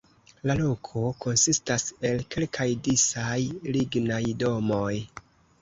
La loko konsistas el kelkaj disaj lignaj domoj.